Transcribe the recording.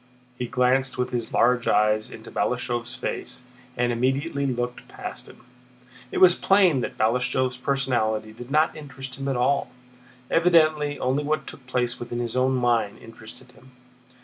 He glanced with his large eyes into Balashëv's face and immediately looked past him. It was plain that Balashëv's personality did not interest him at all. Evidently only what took place within his own mind interested him.